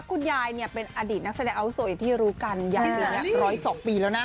คุณยายเนี่ยเป็นอดีตนักแสดงอาวุโสอย่างที่รู้กันยายเดือนนี้๑๐๒ปีแล้วนะ